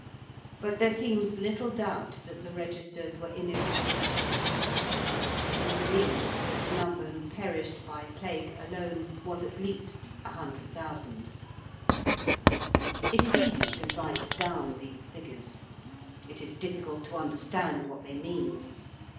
But there seems little doubt that the registers were inefficiently kept. It was believed that the number who perished by Plague alone was at least 100,000. It is easy to write down these figures. It is difficult to understand what they mean.